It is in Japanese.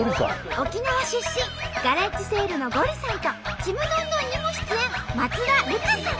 沖縄出身ガレッジセールのゴリさんと「ちむどんどん」にも出演松田るかさん。